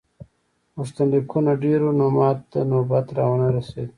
غوښتنلیکونه ډېر وو نو ماته نوبت را ونه رسیده.